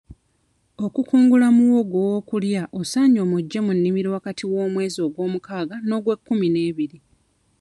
Okukungula muwogo ow'okulya osaanye omuggye mu nnimiro wakati w'omwezi ogw'omukaaga n'ogwe kkumi n'ebiri